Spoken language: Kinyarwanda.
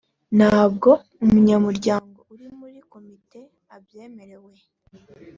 ntabwo umunyamuryango uri muri komite abyemerewe